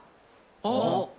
あっ。